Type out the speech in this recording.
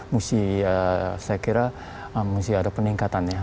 mesti saya kira mesti ada peningkatan ya